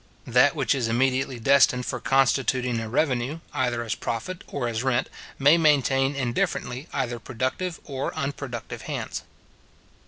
That which is immediately destined for constituting a revenue, either as profit or as rent, may maintain indifferently either productive or unproductive hands.